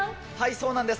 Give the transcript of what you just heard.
そうなんです。